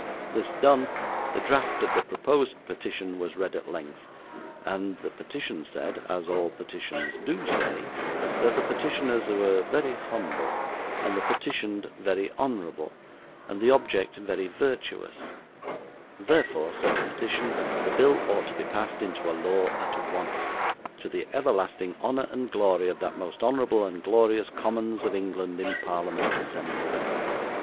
This done, the draft of the proposed petition was read at length: and the petition said, as all petitions DO say, that the petitioners were very humble, and the petitioned very honourable, and the object very virtuous; therefore (said the petition) the bill ought to be passed into a law at once, to the everlasting honour and glory of that most honourable and glorious Commons of England in Parliament assembled.